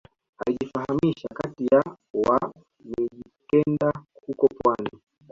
Alijifahamisha kati ya wa mijikenda huko pwani